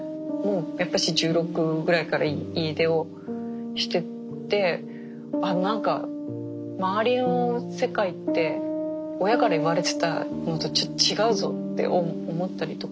やっぱし１６ぐらいから家出をしててあぁ何か周りの世界って親から言われてたものとちょっと違うぞって思ったりとかね。